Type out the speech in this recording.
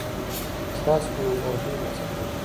ستاسو په نظر دوی به څه کوي؟